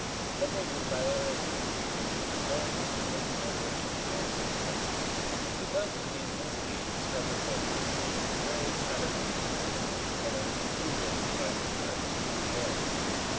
Coupled with bilateral symmetry goes the development of locomotor and the higher sense organs, and because of the in tensity of the struggle for existence the various adaptations of form, color, and food getting devices are extremely varied.